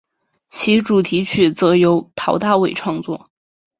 其主题曲则由陶大伟创作。